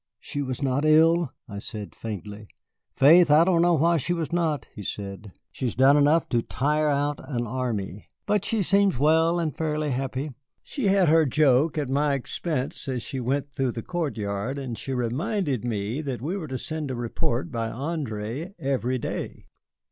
"She was not ill?" I said faintly. "Faith, I don't know why she was not," he said. "She has done enough to tire out an army. But she seems well and fairly happy. She had her joke at my expense as she went through the court yard, and she reminded me that we were to send a report by André every day."